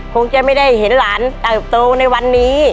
คงจะไม่ได้เห็นหลานเติบโตในวันนี้